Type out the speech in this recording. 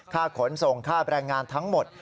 ขนส่งค่าแรงงานทั้งหมด